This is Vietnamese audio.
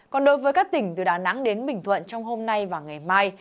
còn đối với các tỉnh từ đà nẵng đến bình thuận trong hôm nay và ngày mai